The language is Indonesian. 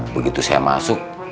begitu saya masuk